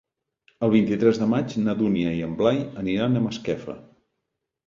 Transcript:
El vint-i-tres de maig na Dúnia i en Blai aniran a Masquefa.